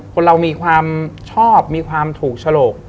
คนเรามีความชอบมีความถูกฉลก